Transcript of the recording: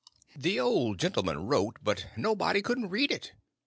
The old gentleman wrote, but nobody couldn't read it.